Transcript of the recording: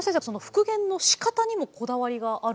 復元のしかたにもこだわりがあるんですよね